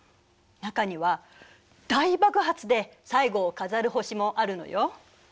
中には大爆発で最後を飾る星もあるのよ。